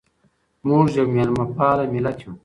موږ یو مېلمه پال ملت یو.